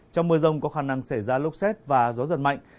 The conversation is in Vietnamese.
trong mưa rông có khả năng xảy ra lốc xét và gió giật mạnh